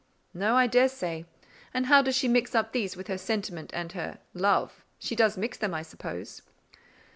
"No, I daresay: and how does she mix up these with her sentiment and her…._love_? She does mix them, I suppose?"